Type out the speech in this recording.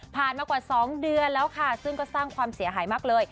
มากว่า๒เดือนแล้วค่ะซึ่งก็สร้างความเสียหายมากเลย